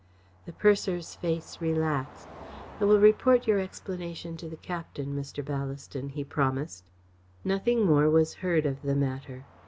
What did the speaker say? The purser's face relaxed. "I will report your explanation to the captain, Mr. Ballaston," he promised. Nothing more was heard of the matter.